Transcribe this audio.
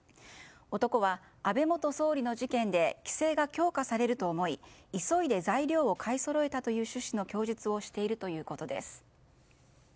男は、安倍元総理の事件で規制が強化されると思い急いで材料を買いそろえたという趣旨の供述をしているということです。